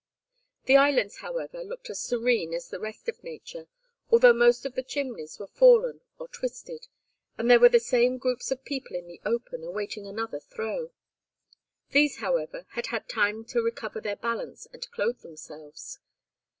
The islands, however, looked as serene as the rest of nature, although most of the chimneys were fallen or twisted, and there were the same groups of people in the open, awaiting another throe. These, however, had had time to recover their balance and clothe themselves.